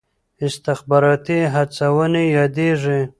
استخباراتي هڅونې یادېږي.